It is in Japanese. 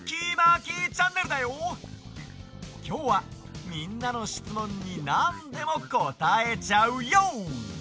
きょうはみんなのしつもんになんでもこたえちゃうＹＯ！